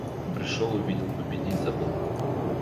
Пришел, увидел, победить забыл.